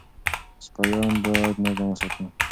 سپایان باید نظم وساتي.